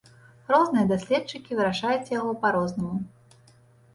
Розныя даследчыкі вырашаюць яго па-рознаму.